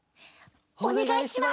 おねがいします！